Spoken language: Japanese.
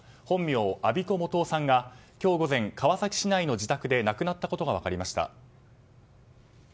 本名・安孫子素雄さんが今日午前川崎市内の自宅で亡くなったことが分かりました。